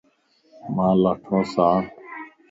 مان لاڻھونس آڻ